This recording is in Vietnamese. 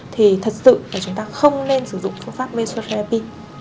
thì thật sự là chúng ta không nên sử dụng phương pháp menstrual therapy